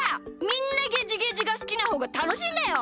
みんなゲジゲジがすきなほうがたのしいんだよ！